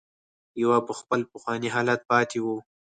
يوه په خپل پخواني حالت پاتې وه.